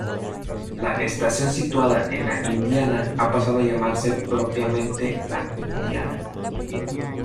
La estación situada en La Indiana ha pasado a llamarse propiamente La Indiana.